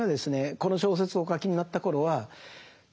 この小説をお書きになった頃はほう。